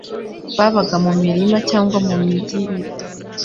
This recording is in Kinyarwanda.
Babaga mu mirima cyangwa mu mijyi mito.